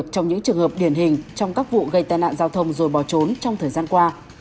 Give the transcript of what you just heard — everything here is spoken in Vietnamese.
trong những trường hợp điển hình trong các vụ gây tai nạn giao thông rồi bỏ trốn trong thời gian qua